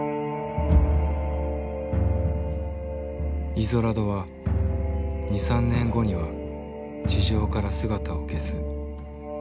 イゾラドは２３年後には地上から姿を消す。